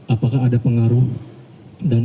apakah ada pengaruh dan